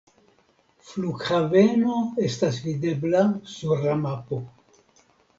Flughaveno estas videbla sur la mapo.